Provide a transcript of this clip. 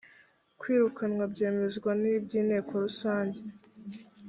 kwirukanwa byemezwa na by inteko rusange